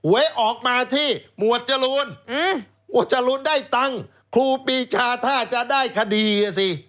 ไว้ออกมาที่หมวดจรวนอืมหมวดจรวนได้ตังคลูปีชาท่าจะได้คดีน่ะสิ